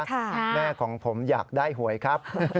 แม่ของผมอยากได้หวยครับ